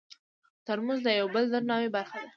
ترموز د یو بل د درناوي برخه ده.